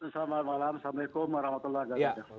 selamat malam assalamualaikum warahmatullahi wabarakatuh